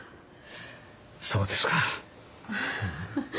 そうですか。